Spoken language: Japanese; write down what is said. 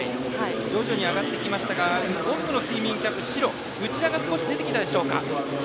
徐々に上がってきましたが奥のスイミングキャップ白内田が出てきたでしょうか。